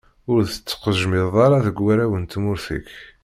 Ur d-tettqejjimeḍ ara deg warraw n tmurt-ik.